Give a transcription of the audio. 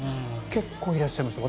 結構いらっしゃいました。